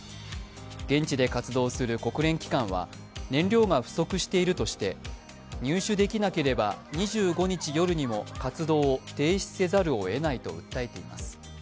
現地で活動する国連機関は燃料が不足しているとして入手できなければ２５日夜にも活動を停止せざるをえないと訴えています。